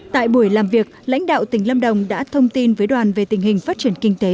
tại buổi làm việc lãnh đạo tỉnh lâm đồng đã thông tin với đoàn về tình hình phát triển kinh tế